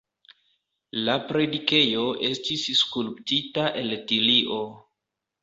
La predikejo estis skulptita el tilio.